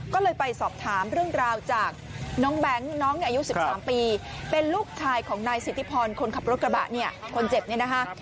ก็เลยไปสอบถามเรื่องราวจากน้องแบงค์น้องเนี่ยอายุ๑๓ปีเป็นลูกชายของนายสิทธิพรคนขับรถกระบะเนี่ยคนเจ็บเนี่ยนะคะ